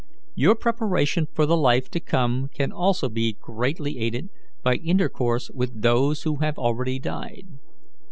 Your preparation for the life to come can also be greatly aided by intercourse with those who have already died.